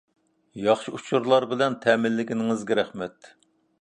ياخشى ئۇچۇرلار بىلەن تەمىنلىگىنىڭىزگە رەھمەت.